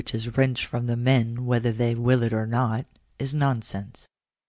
209 wrenched from men whether they will or not, is nonsense.